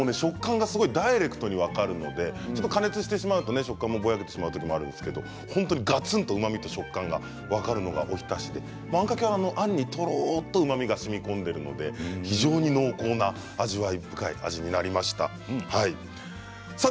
食感がダイレクトに分かるので加熱すると食感がぼやけてしまうこともあるんですががつんとうまみと食感が分かるのがお浸しであんかけは、あんにとろっとうまみがしみこんでいるので非常に濃厚な味わい深い味になりました。